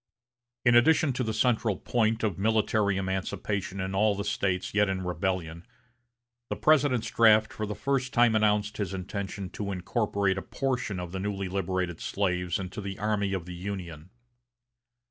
In addition to the central point of military emancipation in all the States yet in rebellion, the President's draft for the first time announced his intention to incorporate a portion of the newly liberated slaves into the armies of the Union.